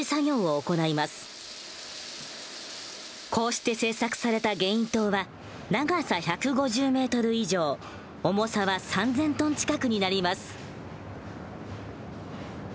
こうして製作されたゲイン塔は長さ１５０ｍ以上重さは３，０００ｔ近くになります。